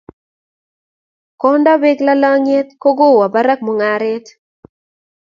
kondapeek lalangiet ko kowo parak mungaret